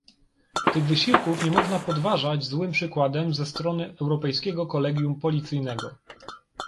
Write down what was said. Tych wysiłków nie można podważać złym przykładem ze strony Europejskiego Kolegium Policyjnego